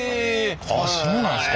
あっそうなんですか。